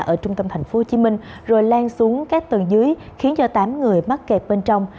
ở trung tâm tp hcm rồi lan xuống các tầng dưới khiến cho tám người mắc kẹt bên trong